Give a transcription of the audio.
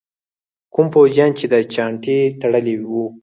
کوم پوځیان چې دا چانټې تړلي وو.